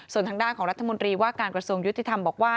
ส่วนทางด้านของรัฐมนตรีว่าการกระทรวงยุติธรรมบอกว่า